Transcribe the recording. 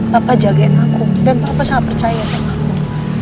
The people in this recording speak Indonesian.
papa jagain aku dan papa sangat percaya sama aku